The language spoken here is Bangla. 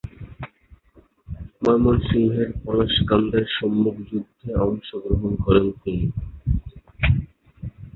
ময়মনসিংহের পলাশকান্দায় সম্মুখ যুদ্ধে অংশগ্রহণ করেন তিনি।